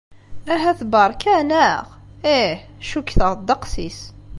Ahat beṛka, naɣ? Ih, cukkteɣ ddeq-is.